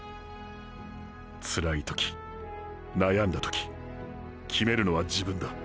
つらい時悩んだ時決めるのは自分だ。